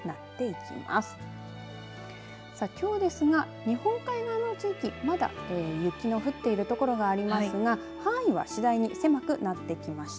きょうですが、日本海側の地域まだ雪の降っている所がありますが範囲は次第に狭くなってきました。